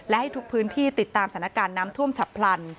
และให้ทุกพื้นที่ติดตามสถานการณ์น้ำท่วมฉับพลัน